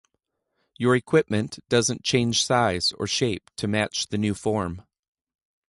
Your equipment doesn’t change size or shape to match the new form.